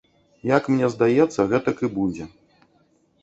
Як мне здаецца, гэтак і будзе.